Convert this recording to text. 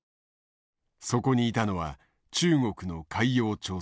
そこにいたのは中国の海洋調査船。